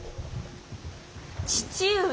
父上。